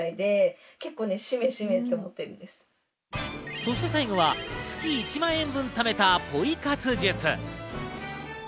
そして最後は月１万円分貯めた、ポイ活術。